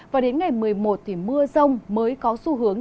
và đến ngày một mươi một thì mưa rông mới có xu hướng